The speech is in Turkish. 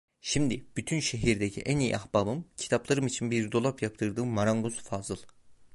Şimdi bütün şehirdeki en iyi ahbabım, kitaplarım için bir dolap yaptırdığım marangoz Fazıl.